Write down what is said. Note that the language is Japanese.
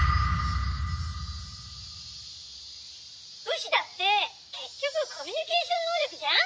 「武士だって結局コミュニケーション能力じゃん？